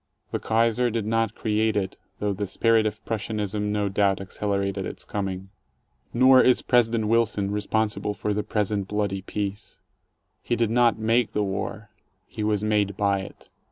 The Kaiser did not create it, though the spirit of Prussianism no doubt accelerated its coming. Nor is President Wilson responsible for the present bloody peace. He did not make the war: he was made by it.